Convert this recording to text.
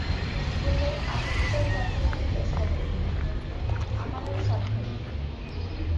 বললে, আরো দু-চার জায়গা থেকে চেষ্টা দেখো, আমার আর সাধ্য নেই।